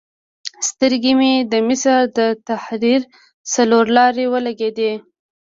سترګې مې د مصر د تحریر څلور لارې ولګېدې.